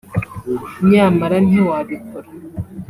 nyamara ntiwabikora